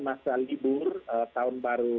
masa libur tahun baru